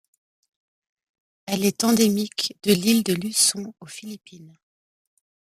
Elle est endémique de l'île de Luçon aux Philippines.